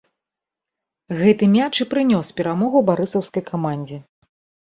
Гэты мяч і прынёс перамогу барысаўскай камандзе.